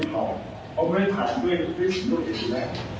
ผมก็ทานด้วยธุรกิจแล้ว